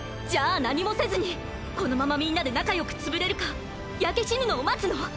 じゃあ何もせずにこのままみんなで仲良く潰れるか焼け死ぬのを待つの？